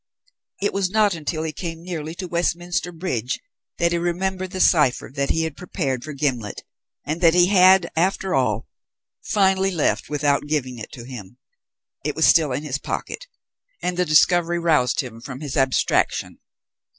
It was not until he came nearly to Westminster Bridge that he remembered the cipher that he had prepared for Gimblet, and that he had, after all, finally left without giving it to him. It was still in his pocket, and the discovery roused him from his abstraction.